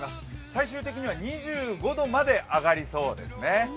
最終的には２５度まで上がりそうですね。